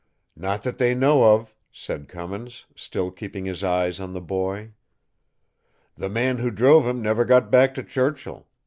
"Not that they know of," said Cummins, still keeping his eyes on the boy. "The man who drove him never got back to Churchill.